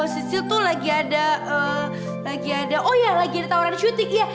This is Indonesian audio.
sisil tuh lagi ada lagi ada oh iya lagi ada tawaran syuting ya